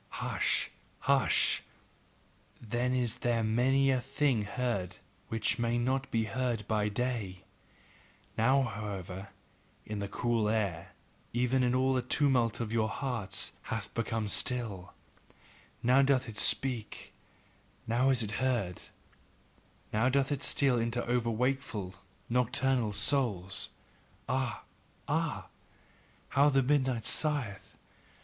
Hush! Hush! Then is there many a thing heard which may not be heard by day; now however, in the cool air, when even all the tumult of your hearts hath become still, Now doth it speak, now is it heard, now doth it steal into overwakeful, nocturnal souls: ah! ah! how the midnight sigheth!